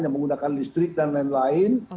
yang menggunakan listrik dan lain lain